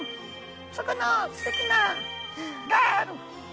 そこのステキなガール！